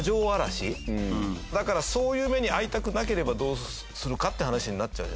だからそういう目に遭いたくなければどうするかって話になっちゃうじゃないですか。